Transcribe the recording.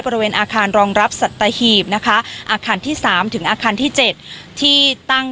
บริเวณอาคารรองรับสัตหีบนะคะอาคารที่๓ถึงอาคารที่๗ที่ตั้ง